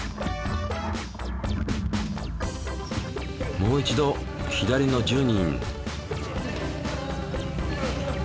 もう一度左の１０人。